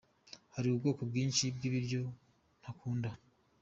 Hari ubwoko bwinshi bw’ibiryo ntakunda………….